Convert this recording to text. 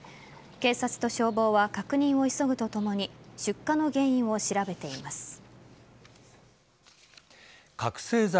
警察と消防は確認を急ぐとともに出火の原因を調べています。